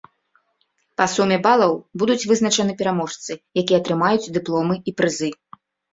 Па суме балаў будуць вызначаны пераможцы, якія атрымаюць дыпломы і прызы.